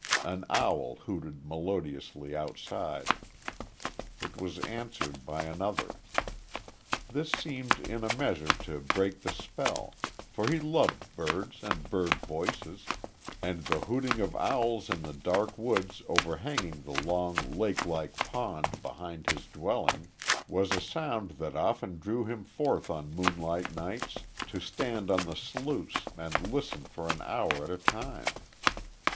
An owl hooted melodiously outside. It was answered by another. This seemed in a measure to break the spell, for he loved birds and bird voices, and the hooting of owls in the dark woods overhanging the long lake like pond behind his dwelling was a sound that often drew him forth on moonlight nights to stand on the sluice and listen for an hour at a time.